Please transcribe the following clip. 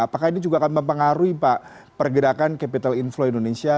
apakah ini juga akan mempengaruhi pak pergerakan capital inflow indonesia